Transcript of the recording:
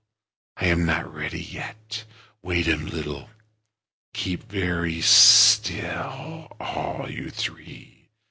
I am not ready yet. Wait a little. Keep very still, all you three!